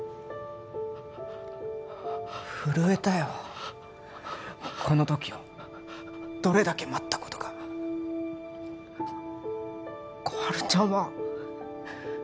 震えたよこの時をどれだけ待ったことか心春ちゃんは